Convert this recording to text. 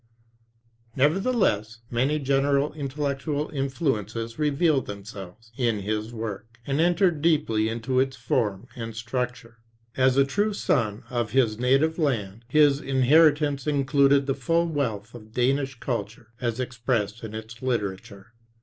Nevertheless, many general intellectual influences 13 reveal themselves in his work, and enter deeply into its form and structure. As a true son of his native land, his inheritance included the full wealth of Danish culture as expressed in its literature.